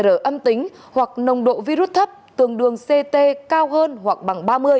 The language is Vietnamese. r âm tính hoặc nồng độ virus thấp tương đương ct cao hơn hoặc bằng ba mươi